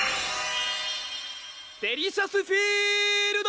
デリシャスフィールド！